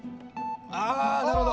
ああなるほど。